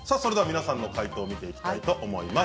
皆さんの解答を見ていきたいと思います。